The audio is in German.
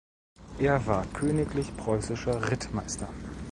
Er war königlich preußischer Rittmeister.